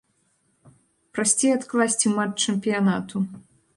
Прасцей адкласці матч чэмпіянату.